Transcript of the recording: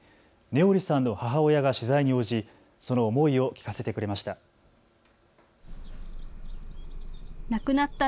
音織さんの母親が取材に応じその思いを聞かせてくれました。